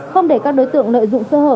không để các đối tượng nợ dụng sơ hở